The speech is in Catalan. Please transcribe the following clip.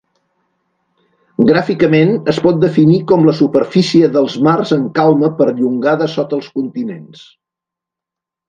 Gràficament, es pot definir com la superfície dels mars en calma perllongada sota els continents.